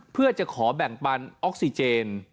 เพื่อจะขอแบ่งปันออกซิเจน